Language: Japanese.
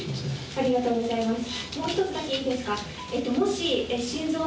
ありがとうございます。